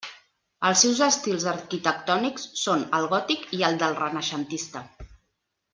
Els seus estils arquitectònics són el gòtic i el del renaixentista.